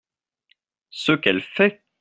Ce qu'elle fait !